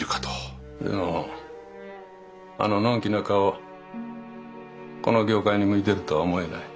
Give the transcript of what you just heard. でもあののんきな顔この業界に向いているとは思えない。